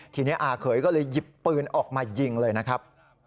ทีนี้อาเขยก็เลยหยิบปืนออกมายิงเลยนะครับ